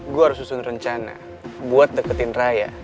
gue harus susun rencana buat deketin raya